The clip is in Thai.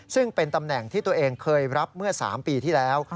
ซึ่งเป็นตำแหน่งที่ตัวเองเคยรับเมื่อ๓ปีที่แล้ว